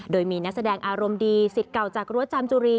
โดยมีนักแสดงอารมณ์ดีสิทธิ์เก่าจากรั้วจามจุรี